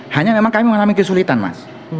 hanya memang kami mengalami kesulitan mas